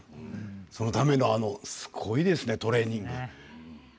そのための、すごいですねトレーニング。